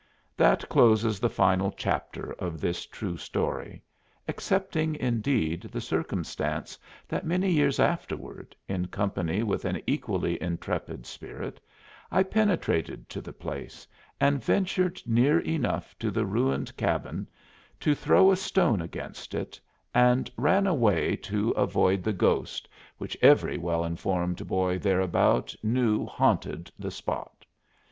That closes the final chapter of this true story excepting, indeed, the circumstance that many years afterward, in company with an equally intrepid spirit, I penetrated to the place and ventured near enough to the ruined cabin to throw a stone against it, and ran away to avoid the ghost which every well informed boy thereabout knew haunted the spot.